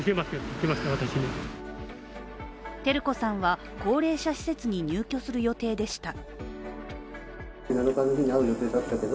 照子さんは高齢者施設に入居する予定でした。